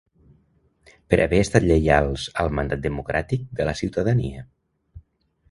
Per haver estat lleials al mandat democràtic de la ciutadania.